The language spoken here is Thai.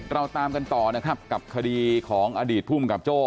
เราตามกันต่อนะครับกับคดีของอดีตภูมิกับโจ้